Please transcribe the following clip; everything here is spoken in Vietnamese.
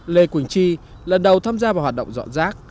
lê quỳnh chi lần đầu tham gia vào hoạt động dọn rác